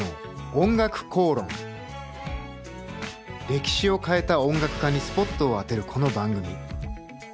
歴史を変えた音楽家にスポットを当てるこの番組。